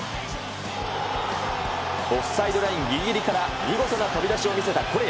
オフサイドラインぎりぎりから見事な飛び出しを見せたコレア。